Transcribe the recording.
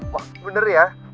wah bener ya